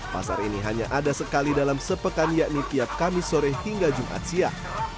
pasar ini hanya ada sekali dalam sepekan yakni tiap kamis sore hingga jumat siang